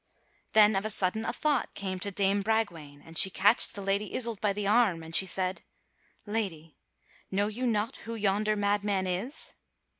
Then of a sudden a thought came to dame Bragwaine, and she catched the Lady Isoult by the arm and she said: "Lady, know you not who yonder madman is?"